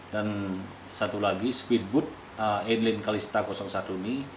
dan satu lagi speedboot ending kalista satu ini